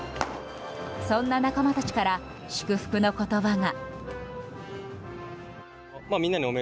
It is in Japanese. そんな仲間たちから祝福の言葉が。